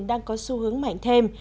đang có xu hướng mạnh thêm